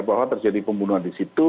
bahwa terjadi pembunuhan disitu